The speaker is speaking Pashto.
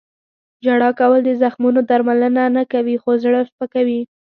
• ژړا کول د زخمونو درملنه نه کوي، خو زړه سپکوي.